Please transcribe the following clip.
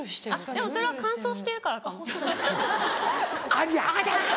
でもそれは乾燥してるからかもしれない。